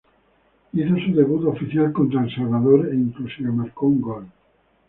Hizo su debut oficial contra El Salvador e inclusive marco un gol.